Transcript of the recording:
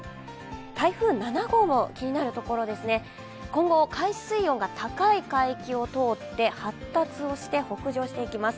台風７号も気になるところですね、今後、海水温が高い海域を通って、発達をして北上していきます